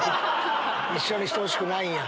一緒にしてほしくないんや。